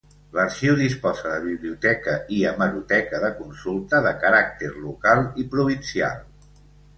L'Arxiu disposa de biblioteca i hemeroteca de consulta de caràcter local i provincial.